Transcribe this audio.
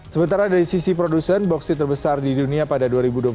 sementara dari sisi produsen boksit terbesar di dunia pada dua ribu dua puluh satu